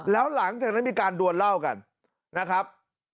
แล้วหลังจากนั้นมีการดวนเหล้ากันนะครับ